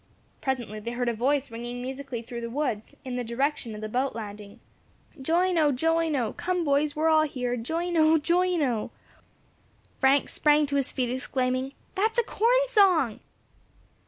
Presently they heard a voice ringing musically through the woods, in the direction of the boat landing, "Join, oh, join, oh! Come, boys, we're all here! Join, oh! join, oh!" Frank sprang to his feet, exclaiming, "That is a corn song!"